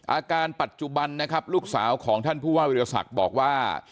อาการปัจจุบันนะครับลูกสาวของท่านผู้ว่าวิทยาศักดิ์บอกว่า